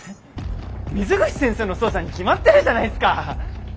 水口先生の捜査に決まってるじゃないっすか！